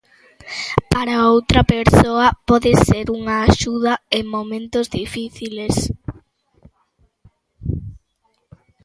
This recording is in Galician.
Para outra persoa pode ser unha axuda en momentos difíciles.